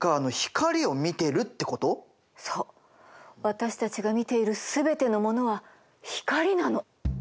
私たちが見ている全てのものは光なの。